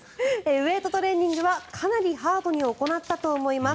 ウェートトレーニングはかなりハードに行ったと思います。